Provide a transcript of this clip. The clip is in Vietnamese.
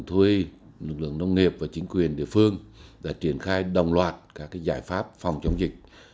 thuê lực lượng nông nghiệp và chính quyền địa phương đã triển khai đồng loạt các giải pháp phòng chống dịch